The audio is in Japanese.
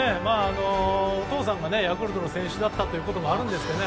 お父さんがヤクルトの選手だったということもあるんですけど